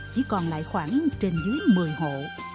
chỉ còn lại khoảng trên dưới mười hộ